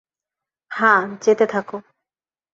হ্যাঁ, যেতে থাকো।